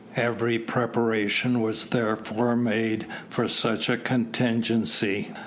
Every preparation was therefore made for such a contingency.